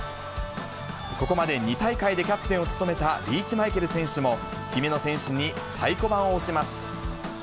ここまで２大会でキャプテンを務めたリーチマイケル選手も、姫野選手に太鼓判を押します。